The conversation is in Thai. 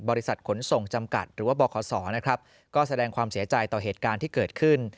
บริษัทขนส่งจำกัดหรือว่าบขนะครับก็แสดงความเสียใจต่อเหตุการณ์ที่เกิดขึ้น